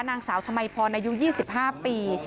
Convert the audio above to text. นางสาวชมัยพรอายุ๒๕ปี